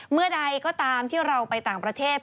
เมื่อใดก็ตามที่เราไปต่างประเทศ